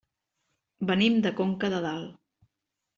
Venim de Conca de Dalt.